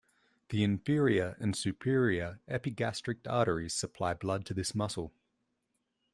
The inferior and superior epigastric arteries supply blood to this muscle.